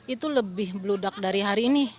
itu lebih bludak dari hari ini